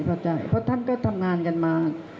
เพราะท่านก็ทำงานกันมา